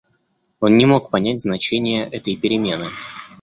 Он не мог понять значения этой перемены.